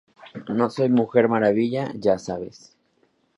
No soy una Mujer Maravilla, ya sabes".